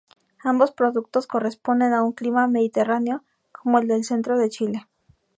Ambos productos corresponden a un clima mediterráneo como el del centro de Chile.